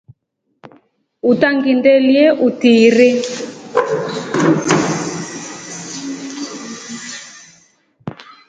Utangindelye utiiri.